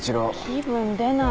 気分出ない。